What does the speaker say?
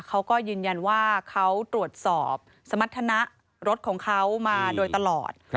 เขาก็ยืนยันว่าเขาตรวจสอบสมรรถนะรถของเขามาโดยตลอด